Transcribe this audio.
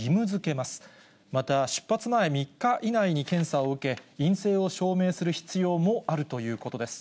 また、出発前３日以内に検査を受け、陰性を証明する必要もあるということです。